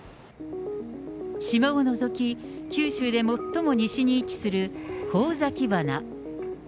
島を除き、九州で最も西に位置する神崎鼻。